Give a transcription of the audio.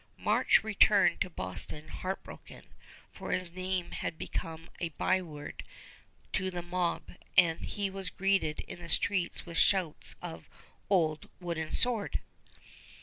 March returned to Boston heartbroken, for his name had become a byword to the mob, and he was greeted in the streets with shouts of "Old Wooden Sword!"